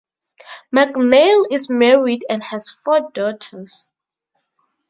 MacNeil is married and has four daughters.